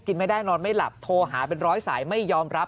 ไม่ได้นอนไม่หลับโทรหาเป็นร้อยสายไม่ยอมรับ